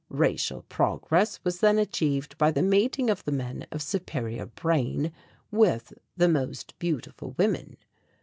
Racial progress was then achieved by the mating of the men of superior brain with the most beautiful women.